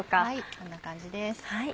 こんな感じです。